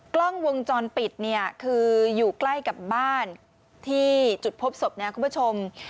กล้องวงจรปิดเนี่ยคืออยู่ใกล้กับบ้านที่จุดพบศพเนี่ยคุณผู้ชม